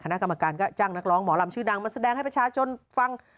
คณะกรรมการก็จ้างนักร้องหมอลำชื่อดังมาแสดงให้ประชาชนฟัง